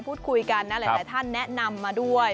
พูดคุยกันนะหลายท่านแนะนำมาด้วย